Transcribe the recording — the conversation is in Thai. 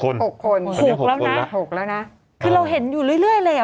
ตอนนี้๖คนแล้วนะคือเราเห็นอยู่เรื่อยเลย